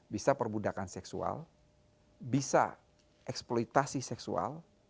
bisa perbudakan seksual bisa eksploitasi seksual